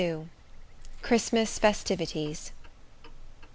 XXII. Christmas Festivities.